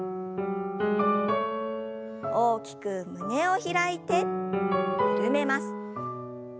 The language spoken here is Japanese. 大きく胸を開いて緩めます。